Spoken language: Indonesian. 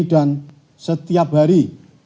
dan setiap hari